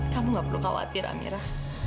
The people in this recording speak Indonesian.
kamu gak perlu khawatir amirah